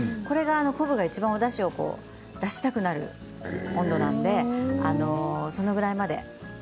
これが昆布がいちばんおだしを出したくなる温度なのでそのぐらいまで。